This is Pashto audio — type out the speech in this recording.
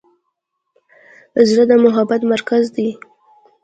زړه د محبت مرکز دی.